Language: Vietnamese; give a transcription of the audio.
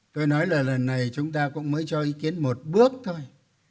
tôi nói là lần này chúng ta cũng mới cho ý kiến một bước thôi